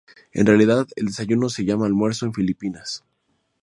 En realidad, el desayuno se llama "almuerzo" en Filipinas.